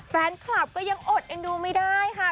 แฟนคลับก็ยังอดเอ็นดูไม่ได้ค่ะ